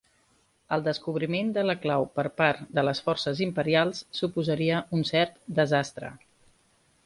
El descobriment de la clau per part de les forces imperials suposaria un cert desastre.